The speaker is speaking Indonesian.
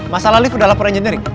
masalah lift udah laporan jenrik